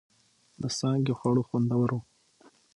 د څانگې خواړه خوندور و.